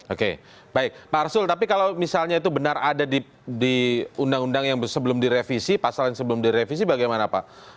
oke baik pak arsul tapi kalau misalnya itu benar ada di undang undang yang sebelum direvisi pasal yang sebelum direvisi bagaimana pak